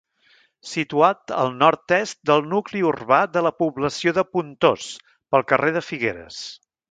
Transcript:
Situat al nord-est del nucli urbà de la població de Pontós, pel carrer de Figueres.